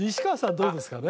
どうですかね？